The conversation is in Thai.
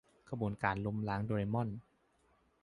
ขบวนการล้มล้างโดเรม่อน !